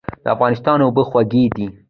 د افغانستان اوبه خوږې دي